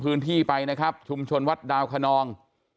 พื้นที่ไปนะครับชุมชนวัดดาวคนนอง